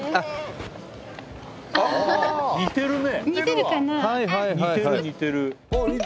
似てるね。